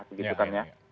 begitu kan ya